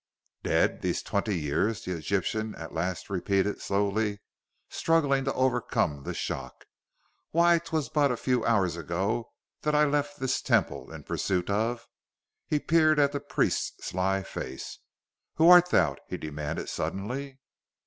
"Dead ... these twenty years?" the Egyptian at last repeated slowly, struggling to overcome the shock. "Why, 'twas but a few hours ago that I left this Temple, in pursuit of " He peered at the priest's sly face. "Who art thou?" he demanded suddenly.